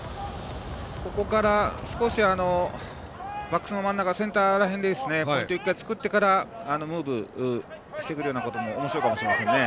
ここから少しバックスの真ん中センターら辺でポイントを１回作ってからムーブしてくるようなこともおもしろいかもしれませんね。